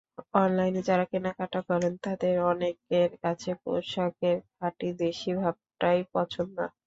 অনলাইনে যাঁরা কেনাকাটা করেন, তাঁদের অনেকের কাছে পোশাকের খাঁটি দেশি ভাবটাই পছন্দ।